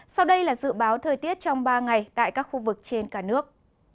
sau đây là dự báo thời tiết trong ba ngày tại các khu vực trên cả nước